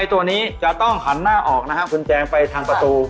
ตัวนี้จะต้องหันหน้าออกนะครับคุณแจงไปทางประตู